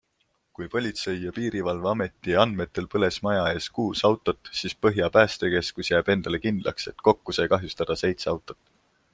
Kui politsei- ja piirivalveameti andmetel põles maja ees kuus autot, siis Põhja päästekeskus jääb endale kindlaks, et kokku sai kahjustada seitse autot.